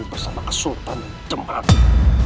bersama kesultan jembatu